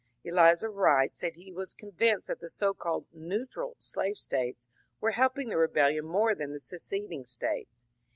Elizur Wright said he was convinced that the so called neutral " slave States were helping the rebellion more than the seceding States.